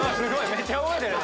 めっちゃ覚えてるね。